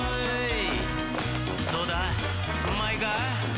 「どうだ？うまいか？」